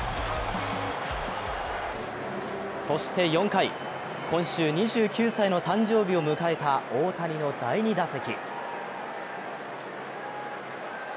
そして４回、今週２９歳の誕生日を迎えた大谷の第２打席。